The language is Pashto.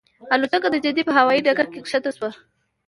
الوتکه د جدې په هوایي ډګر کې ښکته شوه.